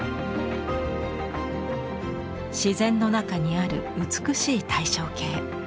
自然の中にある美しい対称形。